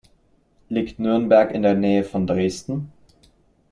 Liegt Nürnberg in der Nähe von Dresden?